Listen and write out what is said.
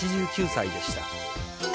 ８９歳でした。